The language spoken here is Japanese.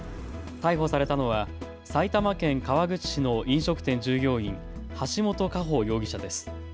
逮捕されたのは埼玉県川口市の飲食店従業員、橋本佳歩容疑者です。